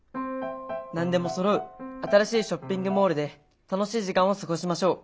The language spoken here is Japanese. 何でもそろう新しいショッピングモールで楽しい時間を過ごしましょう。